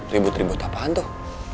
ribut ribut apaan tuh